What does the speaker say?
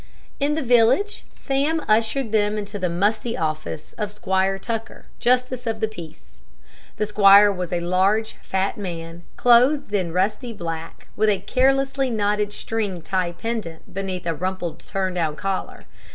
In the village, Sam ushered them into the musty law office of Squire Tucker, justice of the peace. The squire was a large, fat man, clothed in rusty black, with a carelessly knotted string tie pendent beneath a rumpled turn down collar.